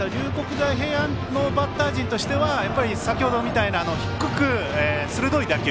大平安のバッター陣としては先程みたいな低く鋭い打球